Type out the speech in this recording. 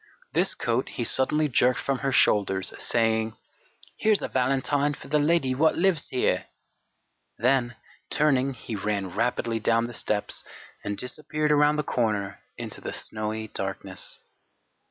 This coat he suddenly jerked from her shoulders, saying: "Here's a valentine for the lady wot lives here!" Then, turning, he ran rapidly down the steps and disappeared around the corner into the snowy darkness.